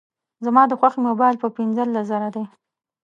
زما د خوښي موبایل په پینځلس زره دی